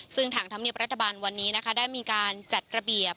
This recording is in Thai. ซึ่งทางธรรมเนียบรัฐบาลวันนี้นะคะได้มีการจัดระเบียบ